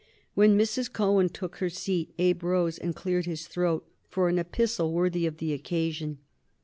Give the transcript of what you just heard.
When Miss Cohen took her seat Abe rose and cleared his throat for an epistle worthy of the occasion.